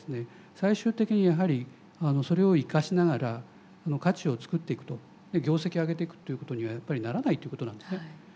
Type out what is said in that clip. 最終的にやはりそれを生かしながら価値をつくっていくと業績を上げていくっていうことにはやっぱりならないということなんですね。